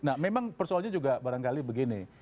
nah memang persoalnya juga barangkali begini